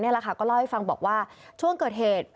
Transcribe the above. ก็เล่าให้ฟังบอกว่าช่วงเกิดเหตุ